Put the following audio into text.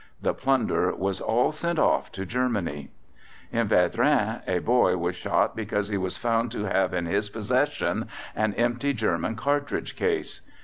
The plunder was all sent off to Germany. At Vedrin a boy was shot because he was found to have in his possession an empty German cartridge case.